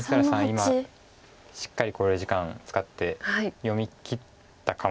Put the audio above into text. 今しっかり考慮時間使って読みきったかもしれないです。